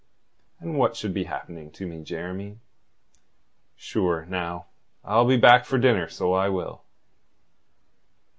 "And what should be happening to me, Jeremy? Sure, now, I'll be back for dinner, so I will."